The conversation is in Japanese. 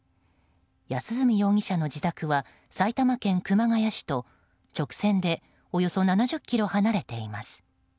安栖容疑者の自宅は埼玉県熊谷市と直線でおよそ７０ｋｍ離れています。